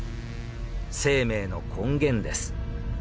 生命の根源です。